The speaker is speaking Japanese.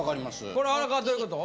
これ荒川どういうこと？